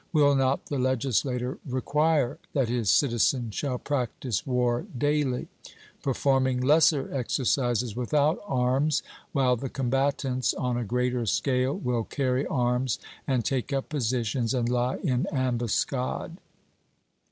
Will not the legislator require that his citizens shall practise war daily, performing lesser exercises without arms, while the combatants on a greater scale will carry arms, and take up positions, and lie in ambuscade?